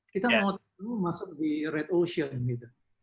kita mau masuk di red ocean gitu